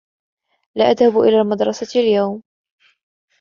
لا اذهب على المدرسة اليوم.